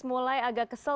mulai agak kesel